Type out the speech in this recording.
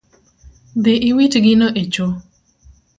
Dhi iwit gino e cho